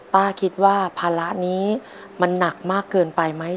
ป้าคิดว่าภาระนี้มันหนักมากเกินไปไหม